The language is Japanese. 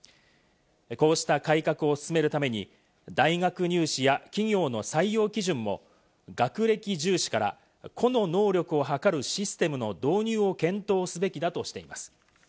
こうした改革を進めるために大学入試や企業の採用基準も学歴重視から個の能力を測るシステムの導入を検討すべきだとしています。